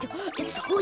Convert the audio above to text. そうだ。